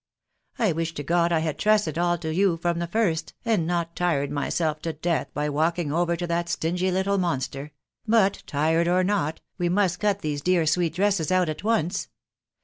. I wish to God I had trusted aU to yon from the first, and not tired myself to death by walking over to that stingy little monster ... but, tired or not, we must cut these dear sweet dresses out at once.